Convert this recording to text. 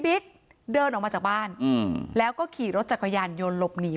เดินออกมาจากบ้านแล้วก็ขี่รถจักรยานยนต์หลบหนี